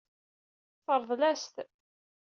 Teṛḍel-as-t.